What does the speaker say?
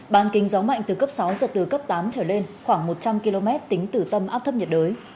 bàn kính gió mạnh từ cấp sáu giật từ cấp tám trở lên khoảng một trăm linh km tính từ tâm áp thấp nhiệt đới